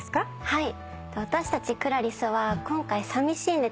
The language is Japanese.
はい。